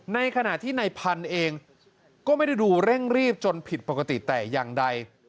ในขณะที่ในพันธุ์เองก็ไม่ได้ดูเร่งรีบจนผิดปกติแต่อย่างใด